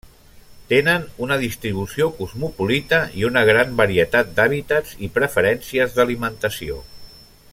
Tenen una distribució cosmopolita i una gran varietat d'hàbitats i preferències d'alimentació.